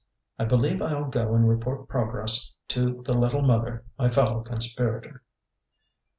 I believe I'll go and report progress to the Little Mother, my fellow conspirator."